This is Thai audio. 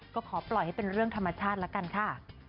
ก็ขอปล่อยให้เป็นเรื่องธรรมชาติละกันค่ะ